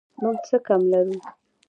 موږ څه کم لرو